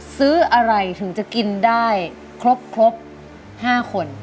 ซื้ออะไรถึงจะกินได้ครบ๕คน